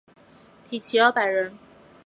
缇骑二百人。